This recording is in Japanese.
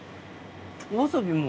わさびも。